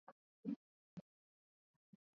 ya Mwaka elfu moja mia tisa themanini na mbili